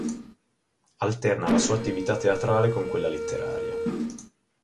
Alterna la sua attività teatrale con quella letteraria.